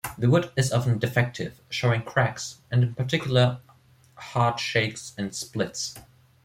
The wood is often defective, showing cracks, and in particular heart shakes and splits.